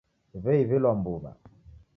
W'eiw'ilwa mbuw'a .